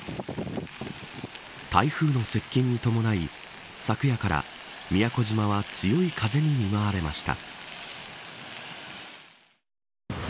台風の接近に伴い昨夜から宮古島は強い風に見舞われました。